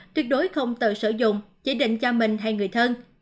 tuyệt đối không tự sử dụng chỉ định cho mình hay người thân